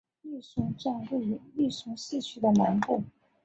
利松站位于利松市区的南部。